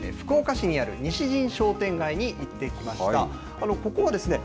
今回、私は福岡市にある西新商店街に行ってきました。